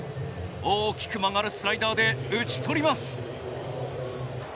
大きく曲がるスライダーで打ち取ります。